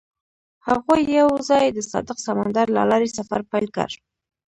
هغوی یوځای د صادق سمندر له لارې سفر پیل کړ.